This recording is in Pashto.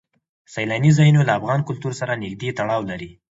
سیلاني ځایونه له افغان کلتور سره نږدې تړاو لري.